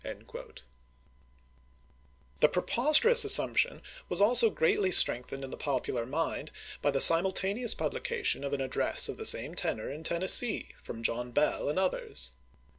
p '4 ' The preposterous assumption was also greatly strengthened in the popular mind by the simulta neous publication of an address of the same tenor Api.is.isei. in Tennessee, from John Bell and others.